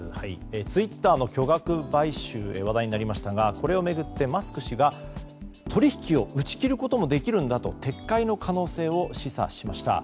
ツイッターの巨額買収で話題になりましたがこれを巡って、マスク氏が取引を打ち切ることもできるんだと撤回の可能性を示唆しました。